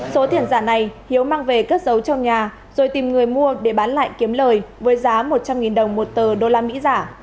số tiền giả này hiếu mang về cất giấu trong nhà rồi tìm người mua để bán lại kiếm lời với giá một trăm linh đồng một tờ đô la mỹ giả